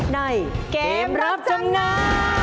ในเกมรับจำนำ